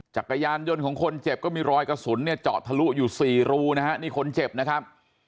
จักรยานยนต์ของคนเจ็บก็มีรอยกระสุนเนี่ยเจาะทะลุอยู่สี่รูนะฮะนี่คนเจ็บนะครับ